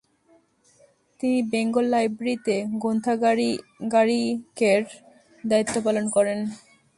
তিনি বেঙ্গল লাইব্রেরিতে গ্রন্থাগারিকের দায়িত্বও পালন করেন।